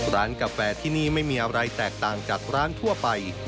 กาแฟที่นี่ไม่มีอะไรแตกต่างจากร้านทั่วไป